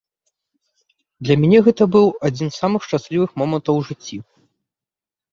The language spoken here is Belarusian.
Для мяне гэта быў адзін з самых шчаслівых момантаў у жыцці.